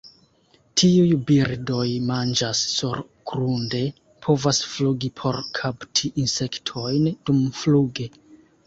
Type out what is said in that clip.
Tiuj birdoj manĝas surgrunde, povas flugi por kapti insektojn dumfluge.